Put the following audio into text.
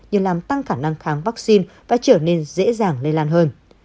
nhưng làm tăng khả năng kháng vaccine và trở nên dễ dàng lây lan hơn